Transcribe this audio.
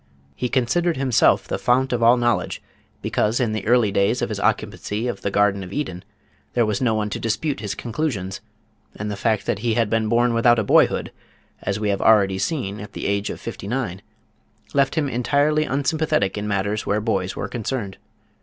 He considered himself the fount of all knowledge because in the early days of his occupancy of the Garden of Eden there was no one to dispute his conclusions, and the fact that he had been born without a boyhood, as we have already seen at the age of fifty nine, left him entirely unsympathetic in matters where boys were concerned.